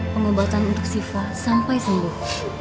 pengobatan untuk siva sampai sembuh